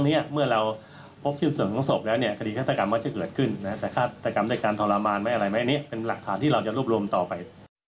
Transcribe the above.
แต่ฆาตกรรมจากการทรมานไม่อะไรมั้ยนี่เป็นหลักฐานที่เราจะรวบรวมต่อไป